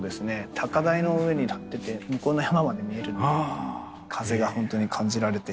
高台の上に立ってて向こうの山まで見えるので風がホントに感じられて。